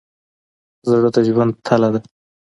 زړه د ژوند تله ده.